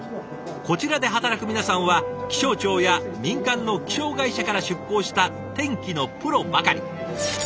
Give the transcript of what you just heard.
こちらで働く皆さんは気象庁や民間の気象会社から出向した天気のプロばかり。